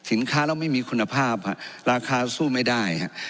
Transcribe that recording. สินค้าเราไม่มีคุณภาพครับราคาสู้ไม่ได้ครับ